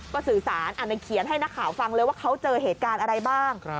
ก็สื่อสารอันเขียนให้นักข่าวฟังเลยว่าเขาเจอเหตุการณ์อะไรบ้าง